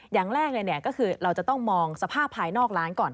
อย่างแรกเลยก็คือเราจะต้องมองสภาพภายนอกร้านก่อน